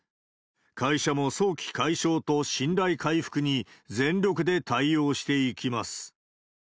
会社も早期解消と信頼回復に全力で対応していきます。